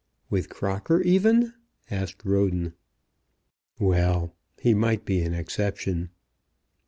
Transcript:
"With Crocker even?" asked Roden. "Well; he might be an exception."